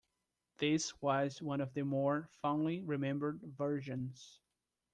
This was one of the more fondly-remembered versions.